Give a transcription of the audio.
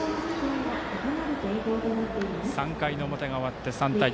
３回の表終わって、３対１。